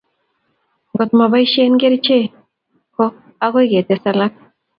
Ngot maboishei kerichek, ko akoi ketes alak